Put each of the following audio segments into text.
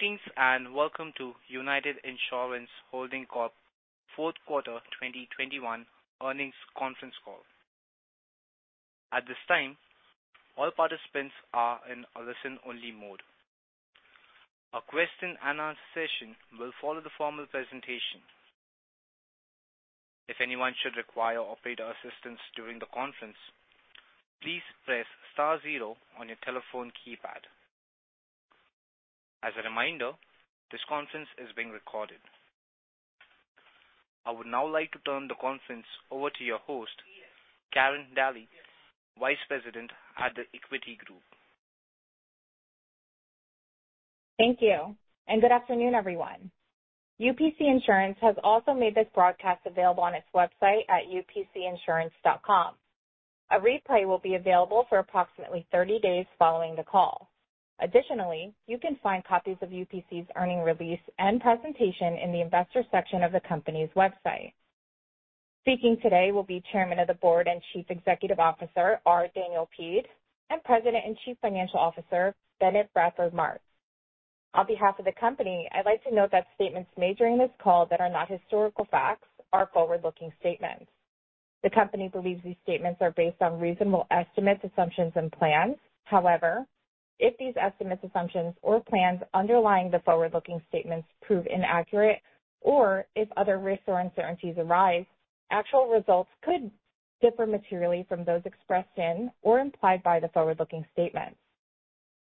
Greetings, and welcome to United Insurance Holdings Corp. fourth quarter 2021 earnings conference call. At this time, all participants are in a listen-only mode. A question and answer session will follow the formal presentation. If anyone should require operator assistance during the conference, please press star zero on your telephone keypad. As a reminder, this conference is being recorded. I would now like to turn the conference over to your host, Karin Daly, Vice President at The Equity Group. Thank you, and good afternoon, everyone. UPC Insurance has also made this broadcast available on its website at upcinsurance.com. A replay will be available for approximately 30 days following the call. Additionally, you can find copies of UPC annual release and presentation in the investor section of the company's website. Speaking today will be Chairman of the Board and Chief Executive Officer, R. Daniel Peed, and President and Chief Financial Officer, Bennett Bradford Martz. On behalf of the company, I'd like to note that statements made during this call that are not historical facts are forward-looking statements. The company believes these statements are based on reasonable estimates, assumptions, and plans. However, if these estimates, assumptions or plans underlying the forward-looking statements prove inaccurate or if other risks or uncertainties arise, actual results could differ materially from those expressed in or implied by the forward-looking statements.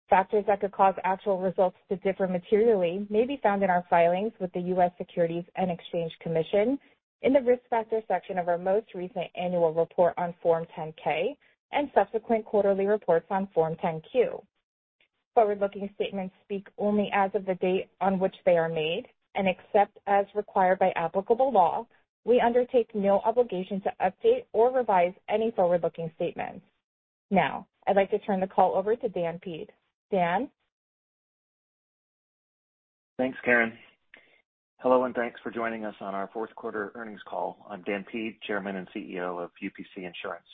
Factors that could cause actual results to differ materially may be found in our filings with the U.S. Securities and Exchange Commission in the Risk Factors section of our most recent annual report on Form 10-K, and subsequent quarterly reports on Form 10-Q. Forward-looking statements speak only as of the date on which they are made, and except as required by applicable law, we undertake no obligation to update or revise any forward-looking statements. Now, I'd like to turn the call over to Dan Peed. Dan? Thanks, Karin. Hello, and thanks for joining us on our fourth quarter earnings call. I'm Dan Peed, Chairman and CEO of UPC Insurance.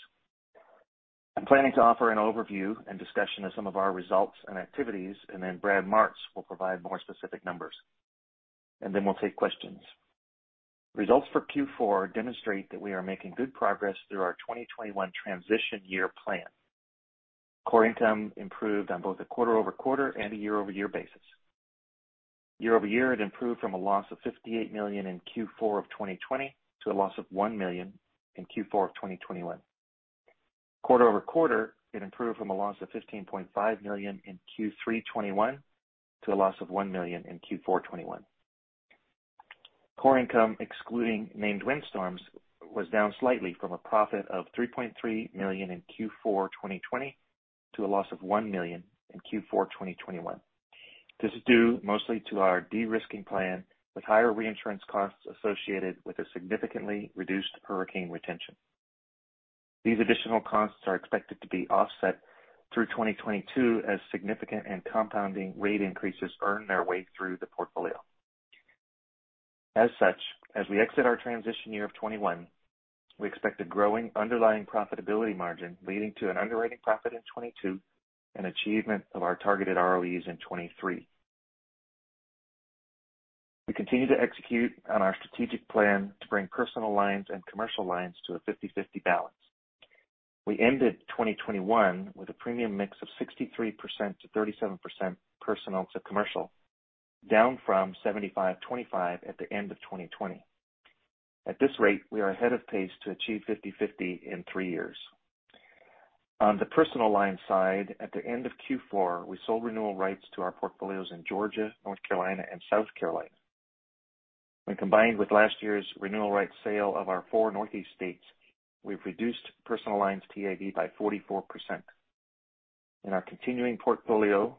I'm planning to offer an overview and discussion of some of our results and activities, and then Brad Martz will provide more specific numbers, and then we'll take questions. Results for Q4 demonstrate that we are making good progress through our 2021 transition year plan. Core income improved on both a quarter-over-quarter and a year-over-year basis. Year-over-year, it improved from a loss of $58 million in Q4 of 2020 to a loss of $1 million in Q4 of 2021. Quarter-over-quarter, it improved from a loss of $15.5 million in Q3 2021 to a loss of $1 million in Q4 2021. Core income, excluding named windstorms, was down slightly from a profit of $3.3 million in Q4 2020 to a loss of $1 million in Q4 2021. This is due mostly to our de-risking plan, with higher reinsurance costs associated with a significantly reduced hurricane retention. These additional costs are expected to be offset through 2022 as significant and compounding rate increases earn their way through the portfolio. As such, as we exit our transition year of 2021, we expect a growing underlying profitability margin leading to an underwriting profit in 2022 and achievement of our targeted ROEs in 2023. We continue to execute on our strategic plan to bring personal lines and commercial lines to a 50/50 balance. We ended 2021 with a premium mix of 63%-37% personal to commercial, down from 75%-25% at the end of 2020. At this rate, we are ahead of pace to achieve 50-50 in three years. On the personal line side, at the end of Q4, we sold renewal rights to our portfolios in Georgia, North Carolina, and South Carolina. When combined with last year's renewal rights sale of our four Northeast states, we've reduced personal lines TIV by 44%. In our continuing portfolio,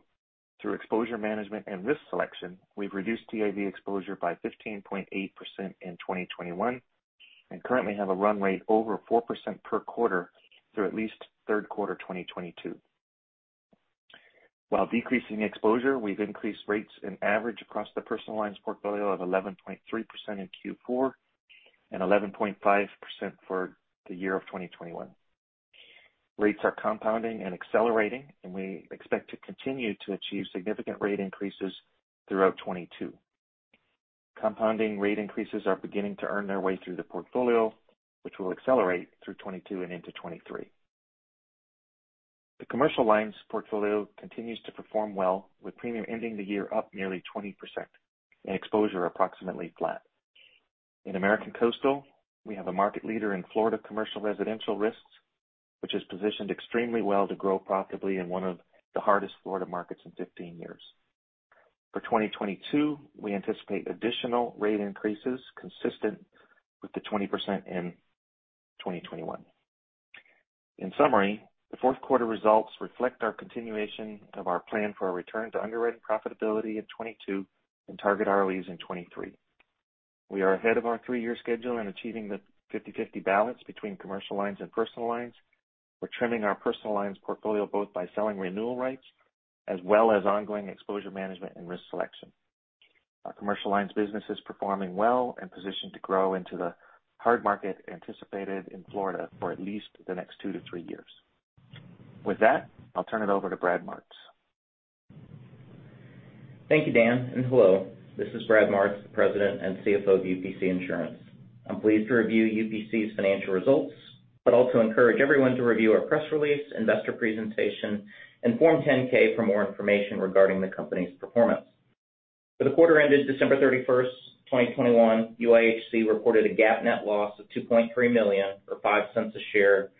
through exposure management and risk selection, we've reduced TIV exposure by 15.8% in 2021, and currently have a run rate over 4% per quarter through at least third quarter 2022. While decreasing exposure, we've increased rates in average across the personal lines portfolio of 11.3% in Q4 and 11.5% for the year of 2021. Rates are compounding and accelerating, and we expect to continue to achieve significant rate increases throughout 2022. Compounding rate increases are beginning to earn their way through the portfolio, which will accelerate through 2022 and into 2023. The commercial lines portfolio continues to perform well, with premium ending the year up nearly 20% and exposure approximately flat. In American Coastal, we have a market leader in Florida commercial residential risks, which is positioned extremely well to grow profitably in one of the hardest Florida markets in 15 years. For 2022, we anticipate additional rate increases consistent with the 20% in 2021. In summary, the fourth quarter results reflect our continuation of our plan for a return to underwriting profitability in 2022 and target ROEs in 2023. We are ahead of our three-year schedule in achieving the 50/50 balance between commercial lines and personal lines. We're trimming our personal lines portfolio both by selling renewal rights as well as ongoing exposure management and risk selection. Our commercial lines business is performing well and positioned to grow into the hard market anticipated in Florida for at least the next two-three years. With that, I'll turn it over to Brad Martz. Thank you, Dan, and hello. This is Brad Martz, the President and CFO of UPC Insurance. I'm pleased to review UPC's financial results, but also encourage everyone to review our press release, investor presentation, and Form 10-K for more information regarding the company's performance. For the quarter ended December 31, 2021, UIHC reported a GAAP net loss of $2.3 million, or $0.05 a share,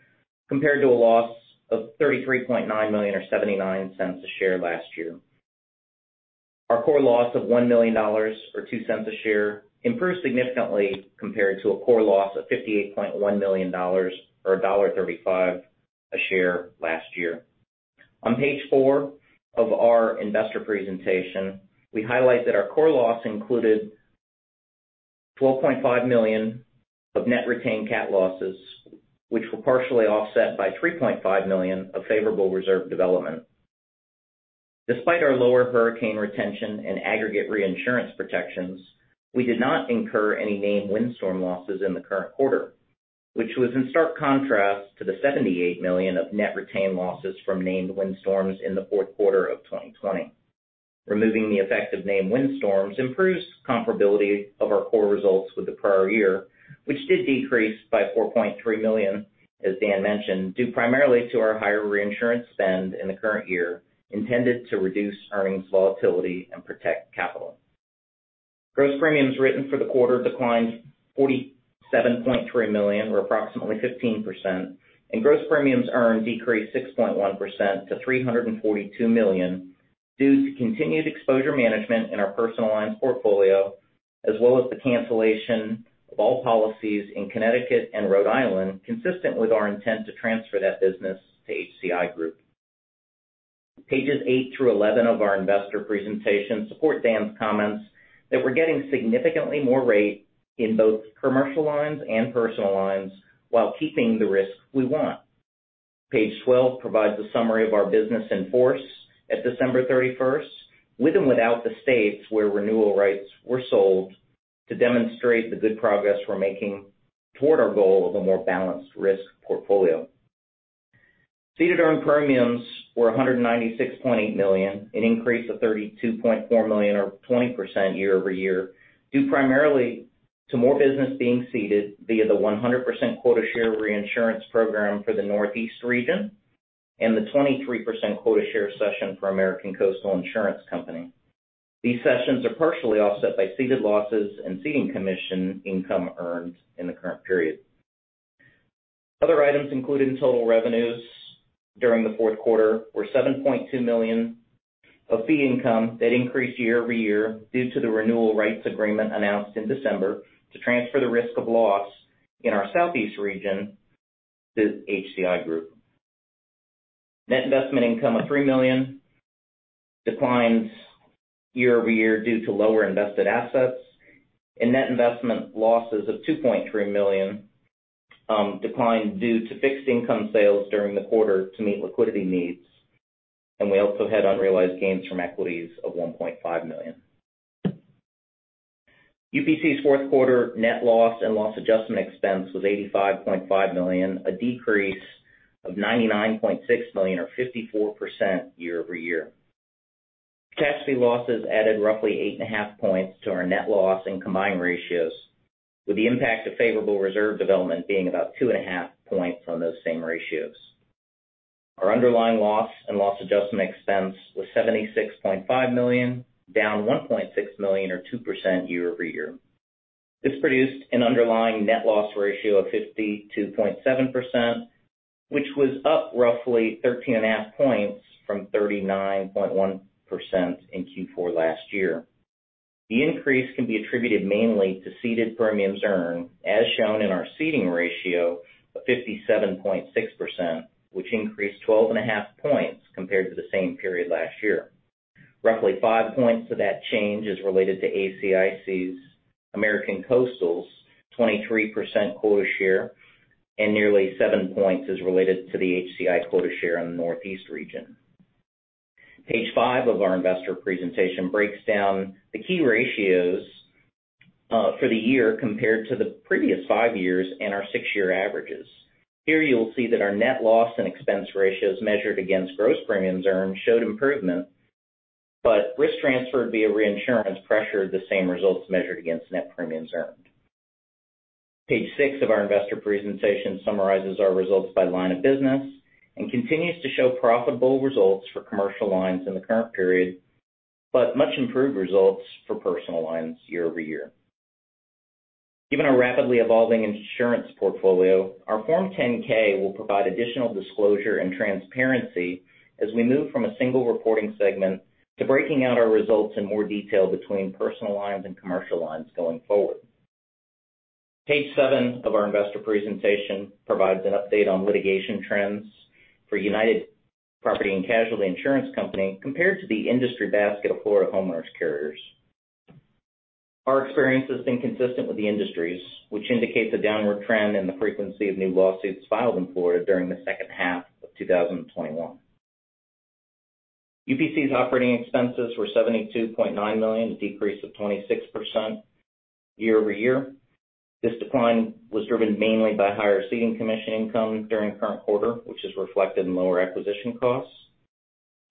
compared to a loss of $33.9 million, or $0.79 a share last year. Our core loss of $1 million, or $0.02 a share, improved significantly compared to a core loss of $58.1 million, or $1.35 a share last year. On page four of our investor presentation, we highlight that our core loss included $12.5 million of net retained cat losses, which were partially offset by $3.5 million of favorable reserve development. Despite our lower hurricane retention and aggregate reinsurance protections, we did not incur any named windstorm losses in the current quarter, which was in stark contrast to the $78 million of net retained losses from named windstorms in the fourth quarter of 2020. Removing the effect of named windstorms improves comparability of our core results with the prior year, which did decrease by $4.3 million, as Dan mentioned, due primarily to our higher reinsurance spend in the current year intended to reduce earnings volatility and protect capital. Gross premiums written for the quarter declined $47.3 million, or approximately 15%, and gross premiums earned decreased 6.1% to $342 million, due to continued exposure management in our personal lines portfolio as well as the cancellation of all policies in Connecticut and Rhode Island, consistent with our intent to transfer that business to HCI Group. Pages eight through 11 of our investor presentation support Dan's comments that we're getting significantly more rate in both commercial lines and personal lines while keeping the risk we want. Page 12 provides a summary of our business in force at December 31, with and without the states where renewal rates were low to demonstrate the good progress we're making toward our goal of a more balanced risk portfolio. Ceded earned premiums were $196.8 million, an increase of $32.4 million, or 20% year-over-year, due primarily to more business being ceded via the 100% quota share reinsurance program for the Northeast region and the 23% quota share cession for American Coastal Insurance Company. These cessions are partially offset by ceded losses and ceding commission income earned in the current period. Other items included in total revenues during the fourth quarter were $7.2 million of fee income that increased year over year due to the renewal rights agreement announced in December to transfer the risk of loss in our Southeast region to HCI Group. Net investment income of $3 million declines year over year due to lower invested assets, and net investment losses of $2.3 million declined due to fixed income sales during the quarter to meet liquidity needs. We also had unrealized gains from equities of $1.5 million. UPC's fourth quarter net loss and loss adjustment expense was $85.5 million, a decrease of $99.6 million, or 54% year over year. Catastrophe losses added roughly 8.5 points to our net loss and combined ratios, with the impact of favorable reserve development being about 2.5 points on those same ratios. Our underlying loss and loss adjustment expense was $76.5 million, down $1.6 million, or 2% year-over-year. This produced an underlying net loss ratio of 52.7%, which was up roughly 13.5 points from 39.1% in Q4 last year. The increase can be attributed mainly to ceded premiums earned, as shown in our ceding ratio of 57.6%, which increased 12.5 points compared to the same period last year. Roughly five points to that change is related to ACIC's American Coastal's 23% quota share, and nearly seven points is related to the HCI quota share in the Northeast region. Page five of our investor presentation breaks down the key ratios for the year compared to the previous five years and our six-year averages. Here, you'll see that our net loss and expense ratios measured against gross premiums earned showed improvement, but risk transferred via reinsurance pressured the same results measured against net premiums earned. Page six of our investor presentation summarizes our results by line of business and continues to show profitable results for commercial lines in the current period, but much improved results for personal lines year-over-year. Given our rapidly evolving insurance portfolio, our Form 10-K will provide additional disclosure and transparency as we move from a single reporting segment to breaking out our results in more detail between personal lines and commercial lines going forward. Page seven of our investor presentation provides an update on litigation trends for United Property & Casualty Insurance Company compared to the industry basket of Florida homeowners carriers. Our experience has been consistent with the industry's, which indicates a downward trend in the frequency of new lawsuits filed in Florida during the second half of 2021. UPC's operating expenses were $72.9 million, a decrease of 26% year-over-year. This decline was driven mainly by higher ceding commission income during the current quarter, which is reflected in lower acquisition costs.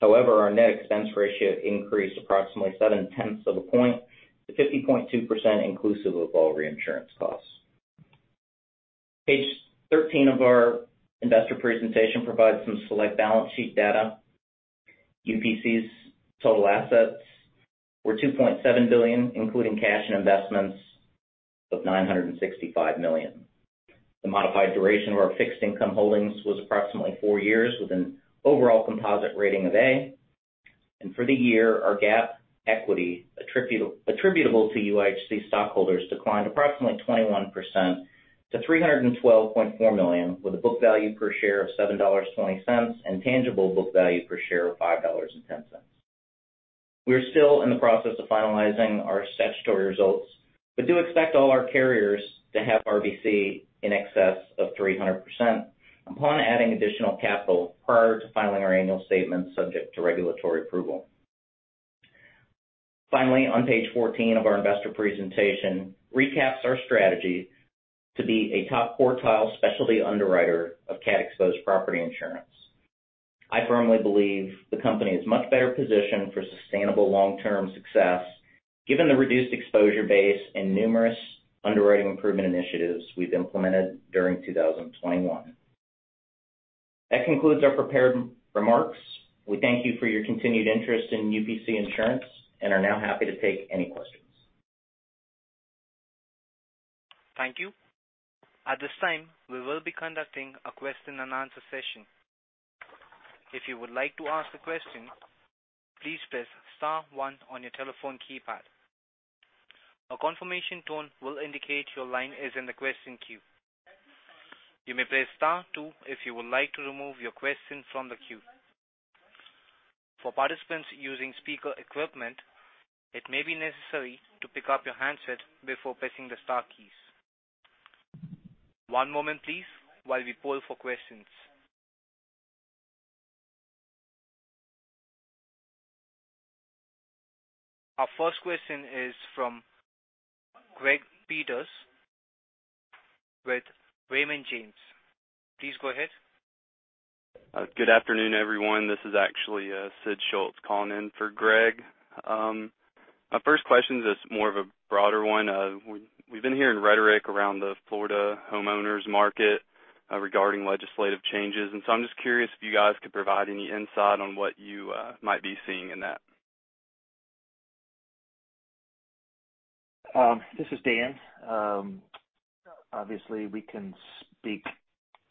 However, our net expense ratio increased approximately 0.7 of a point to 50.2% inclusive of all reinsurance costs. Page 13 of our investor presentation provides some select balance sheet data. UPC's total assets were $2.7 billion, including cash and investments of $965 million. The modified duration of our fixed income holdings was approximately four years, with an overall composite rating of A. For the year, our GAAP equity attributable to UIHC stockholders declined approximately 21% to $312.4 million, with a book value per share of $7.20 and tangible book value per share of $5.10. We are still in the process of finalizing our statutory results, but do expect all our carriers to have RBC in excess of 300% upon adding additional capital prior to filing our annual statements subject to regulatory approval. Finally, on page 14 of our investor presentation recaps our strategy to be a top quartile specialty underwriter of cat-exposed property insurance. I firmly believe the company is much better positioned for sustainable long-term success given the reduced exposure base and numerous underwriting improvement initiatives we've implemented during 2021. That concludes our prepared remarks. We thank you for your continued interest in UPC Insurance and are now happy to take any questions. Thank you. At this time, we will be conducting a question and answer session. If you would like to ask a question, please press star one on your telephone keypad. A confirmation tone will indicate your line is in the question queue. You may press star two if you would like to remove your question from the queue. For participants using speaker equipment, it may be necessary to pick up your handset before pressing the star keys. One moment please while we poll for questions. Our first question is from Greg Peters with Raymond James. Please go ahead. Good afternoon, everyone. This is actually Sid Schultz calling in for Greg. My first question is more of a broader one. We've been hearing rhetoric around the Florida homeowners market regarding legislative changes. I'm just curious if you guys could provide any insight on what you might be seeing in that? This is Dan. Obviously, we can speak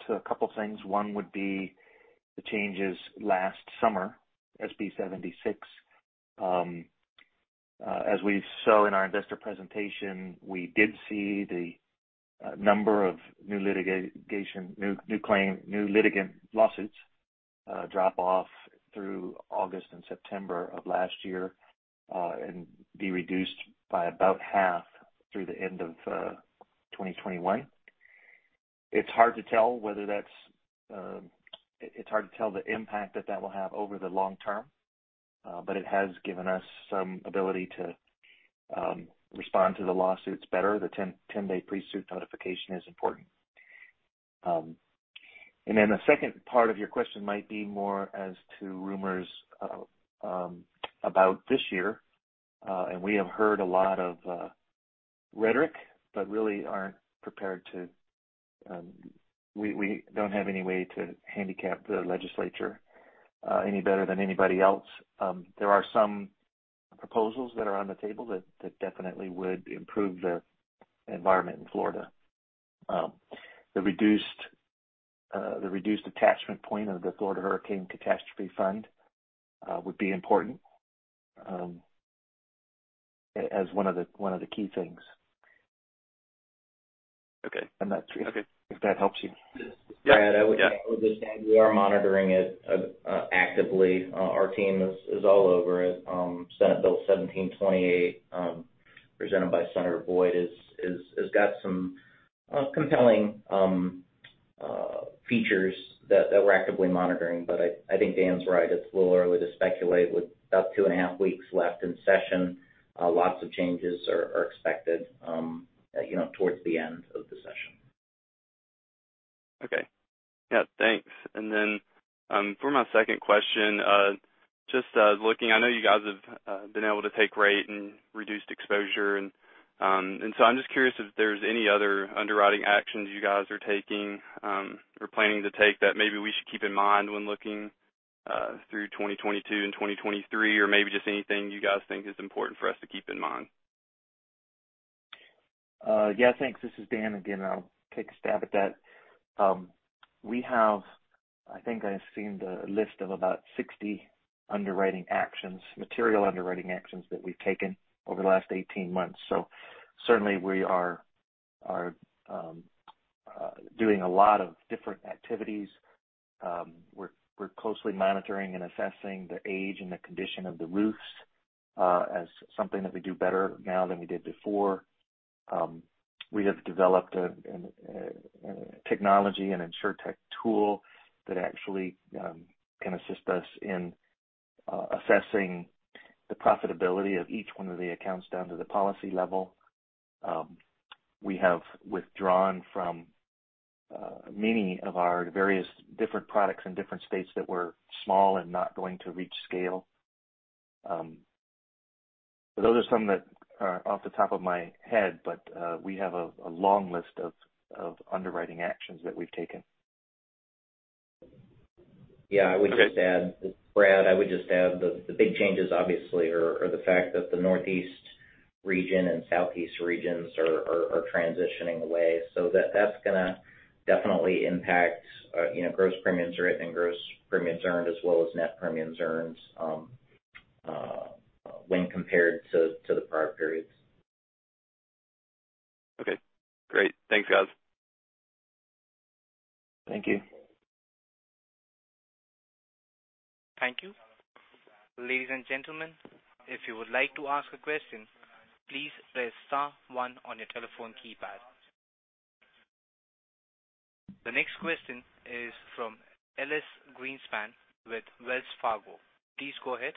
to a couple things. One would be the changes last summer, SB 76. As we saw in our investor presentation, we did see the number of new litigation, new claim, litigant lawsuits drop off through August and September of last year and be reduced by about half through the end of 2021. It's hard to tell the impact that that will have over the long term, but it has given us some ability to respond to the lawsuits better. The 10-day pre-suit notification is important. Then the second part of your question might be more as to rumors about this year. We have heard a lot of rhetoric, but really, we don't have any way to handicap the legislature any better than anybody else. There are some proposals that are on the table that definitely would improve the environment in Florida. The reduced attachment point of the Florida Hurricane Catastrophe Fund would be important, as one of the key things. Okay. That's really. Okay. If that helps you. This is Brad. Yeah. I would just add, we are monitoring it actively. Our team is all over it. Senate Bill 1728, presented by Senator Boyd has got some compelling features that we're actively monitoring. I think Dan's right. It's a little early to speculate with about two and a half weeks left in session. Lots of changes are expected, you know, towards the end of the session. Okay. Yeah, thanks. For my second question, just looking, I know you guys have been able to take rate and reduced exposure and so I'm just curious if there's any other underwriting actions you guys are taking or planning to take that maybe we should keep in mind when looking through 2022 and 2023 or maybe just anything you guys think is important for us to keep in mind? Yeah, thanks. This is Dan again. I'll take a stab at that. We have, I think I've seen the list of about 60 underwriting actions, material underwriting actions that we've taken over the last 18 months. Certainly we are doing a lot of different activities. We're closely monitoring and assessing the age and the condition of the roofs as something that we do better now than we did before. We have developed a technology, an Insurtech tool that actually can assist us in assessing the profitability of each one of the accounts down to the policy level. We have withdrawn from many of our various different products in different states that were small and not going to reach scale. Those are some that are off the top of my head, but we have a long list of underwriting actions that we've taken. Yeah. I would just add, Brad, the big changes obviously are the fact that the Northeast region and Southeast regions are transitioning away. So that's gonna definitely impact, you know, gross premiums written and gross premiums earned as well as net premiums earned when compared to the prior periods. Okay, great. Thanks, guys. Thank you. Thank you. Ladies and gentlemen, if you would like to ask a question, please press star one on your telephone keypad. The next question is from Elyse Greenspan with Wells Fargo. Please go ahead.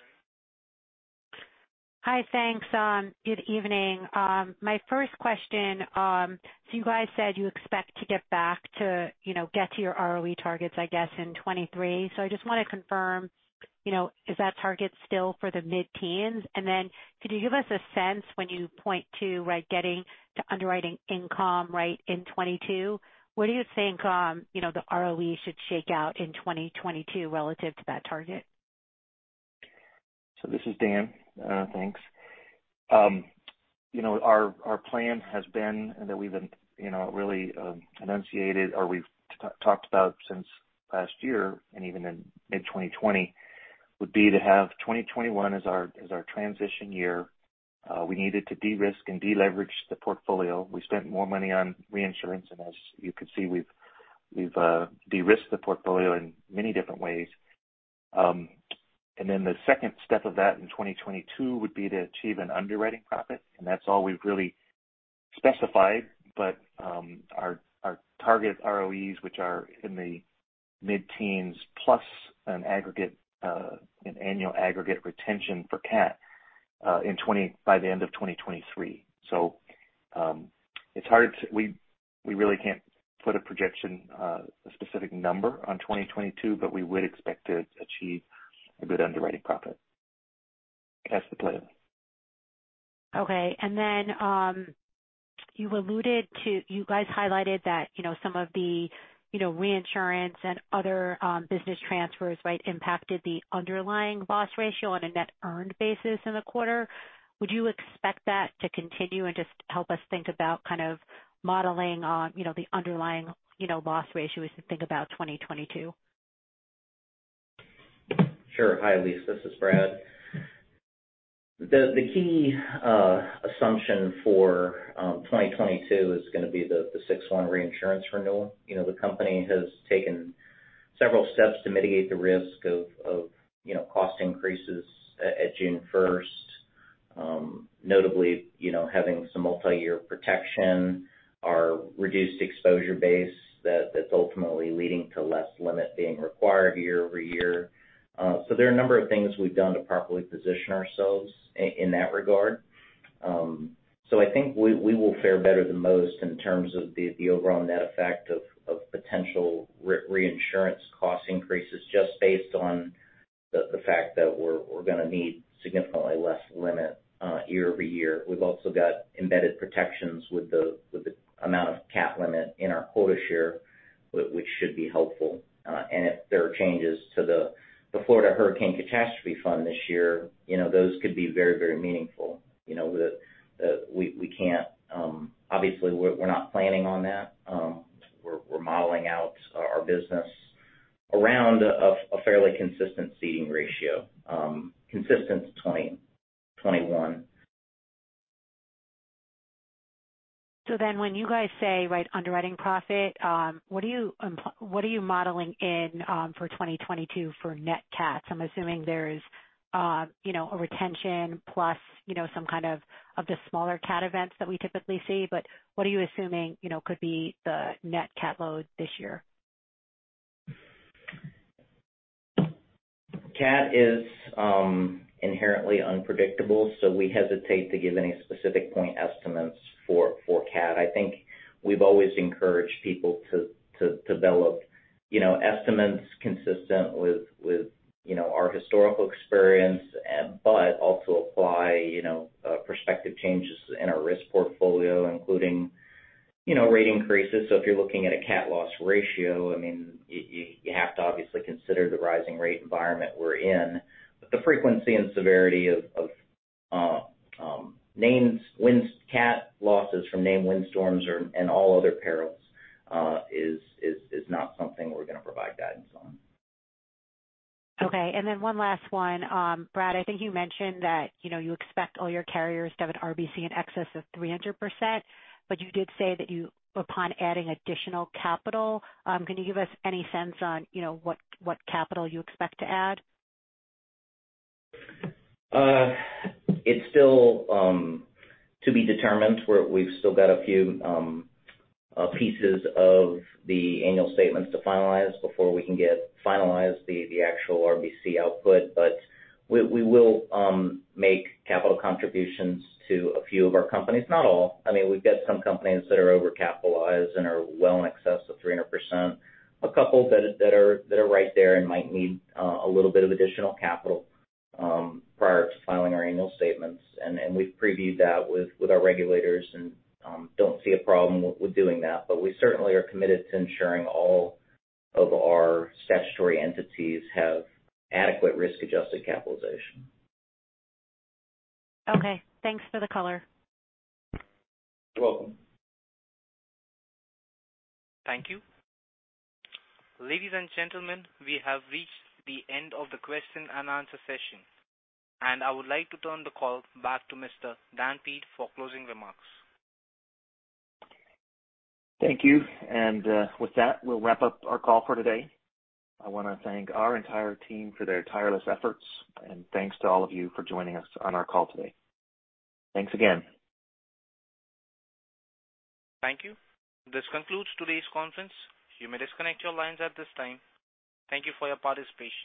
Hi. Thanks. Good evening. My first question, so you guys said you expect to get back to, you know, get to your ROE targets, I guess, in 2023. I just wanna confirm, you know, is that target still for the mid-teens? And then could you give us a sense when you point to, right, getting to underwriting income, right, in 2022, where do you think, you know, the ROE should shake out in 2022 relative to that target? This is Dan. Thanks. You know, our plan has been, and that we've you know really enunciated or we've talked about since last year and even in mid-2020, would be to have 2021 as our transition year. We needed to de-risk and de-leverage the portfolio. We spent more money on reinsurance, and as you can see, we've de-risked the portfolio in many different ways. The second step of that in 2022 would be to achieve an underwriting profit, and that's all we've really specified. Our target ROEs, which are in the mid-teens plus an aggregate annual aggregate retention for cat by the end of 2023. It's hard to... We really can't put a projection, a specific number on 2022, but we would expect to achieve a good underwriting profit. That's the plan. Okay. You guys highlighted that, you know, some of the, you know, reinsurance and other business transfers, right, impacted the underlying loss ratio on a net earned basis in the quarter. Would you expect that to continue? Just help us think about kind of modeling on, you know, the underlying, you know, loss ratios to think about 2022? Sure. Hi, Elyse, this is Brad. The key assumption for 2022 is gonna be the 6/1 reinsurance renewal. You know, the company has taken several steps to mitigate the risk of you know, cost increases at June 1, notably, you know, having some multi-year protection, our reduced exposure base that's ultimately leading to less limit being required year over year. So there are a number of things we've done to properly position ourselves in that regard. So I think we will fare better than most in terms of the overall net effect of potential reinsurance cost increases just based on the fact that we're gonna need significantly less limit year over year. We've also got embedded protections with the amount of cat limit in our quota share, which should be helpful. If there are changes to the Florida Hurricane Catastrophe Fund this year, you know, those could be very, very meaningful. You know, we can't. Obviously, we're not planning on that. We're modeling out our business around a fairly consistent ceding ratio, consistent to 2021. When you guys say, right, underwriting profit, what are you modeling in for 2022 for net cats? I'm assuming there's, you know, a retention plus, you know, some kind of the smaller cat events that we typically see. What are you assuming, you know, could be the net cat load this year? Cat is inherently unpredictable, so we hesitate to give any specific point estimates for cat. I think we've always encouraged people to develop you know estimates consistent with you know our historical experience and but also apply you know prospective changes in our risk portfolio, including you know rate increases. If you're looking at a cat loss ratio, I mean you have to obviously consider the rising rate environment we're in. The frequency and severity of named winds, cat losses from named windstorms or and all other perils is not something we're gonna provide guidance on. Okay. One last one. Brad, I think you mentioned that, you know, you expect all your carriers to have an RBC in excess of 300%, but you did say that you upon adding additional capital. Can you give us any sense on, you know, what capital you expect to add? It's still to be determined. We've still got a few pieces of the annual statements to finalize before we can finalize the actual RBC output. We will make capital contributions to a few of our companies, not all. I mean, we've got some companies that are overcapitalized and are well in excess of 300%, and a couple that are right there and might need a little bit of additional capital prior to filing our annual statements. We've previewed that with our regulators and don't see a problem with doing that. We certainly are committed to ensuring all of our statutory entities have adequate risk-adjusted capitalization. Okay. Thanks for the color. You're welcome. Thank you. Ladies and gentlemen, we have reached the end of the question and answer session, and I would like to turn the call back to Mr. Dan Peed for closing remarks. Thank you. With that, we'll wrap up our call for today. I wanna thank our entire team for their tireless efforts. Thanks to all of you for joining us on our call today. Thanks again. Thank you. This concludes today's conference. You may disconnect your lines at this time. Thank you for your participation.